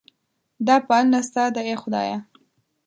دا پالنه ستا ده ای خدایه.